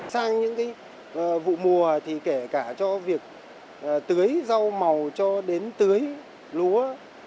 sang những vụ mùa thì kể cả cho việc tưới rau màu cho đến tưới lúa